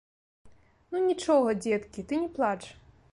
Ну, нічога, дзеткі, ты не плач.